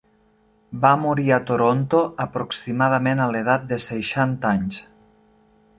Va morir a Toronto aproximadament a l'edat de seixanta anys.